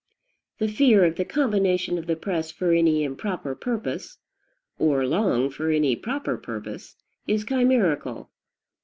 The fear of the combination of the press for any improper purpose, or long for any proper purpose, is chimerical.